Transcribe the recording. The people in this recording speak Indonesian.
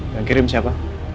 yang kirim siapa